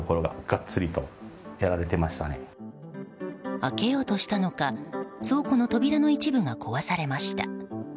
開けようとしたのか倉庫の扉の一部が壊されました。